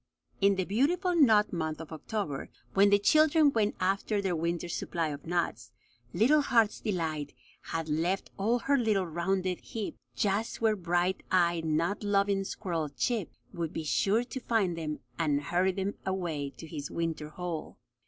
In the beautiful nut month of October, when the children went after their winter's supply of nuts, little Heart's Delight had left all her little rounded heap just where bright eyed, nut loving squirrel Chip would be sure to find them and hurry them away to his winter hole.